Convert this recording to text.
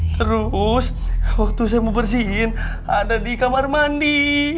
terus waktu saya mau bersihin ada di kamar mandi